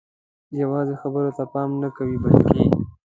یوازې خبرو ته پام نه کوو بلکې